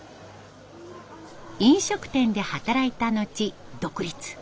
飲食店で働いた後独立。